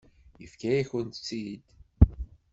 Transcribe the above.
Yefka-yakent-tt-id.